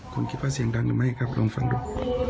คุณคิดว่าเสียงดังหรือไม่ครับลองฟังดู